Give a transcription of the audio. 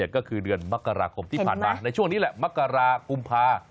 ก็คือเดือนมกราคมที่ผ่านมาในช่วงนี้แหละมกรากุมภา